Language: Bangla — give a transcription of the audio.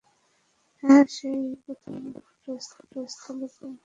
হ্যাঁ, সে-ই প্রথমে ঘটনাস্থলে পৌঁছেছিল।